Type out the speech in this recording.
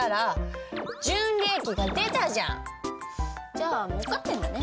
じゃあもうかってんだね。